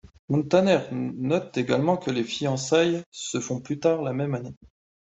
Muntaner note également que les fiançailles se font plus tard la même année.